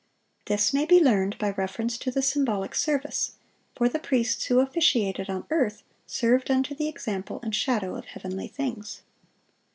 This may be learned by reference to the symbolic service; for the priests who officiated on earth, served "unto the example and shadow of heavenly things."